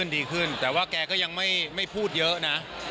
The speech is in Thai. ดีขึ้นแต่ว่าแกก็ยังไม่พูดเยอะนะ